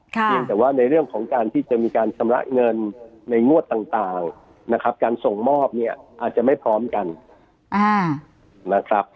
เพียงแต่ว่าในเรื่องของการที่จะมีการชำระเงินในงวดต่างนะครับการส่งมอบเนี่ยอาจจะไม่พร้อมกันนะครับ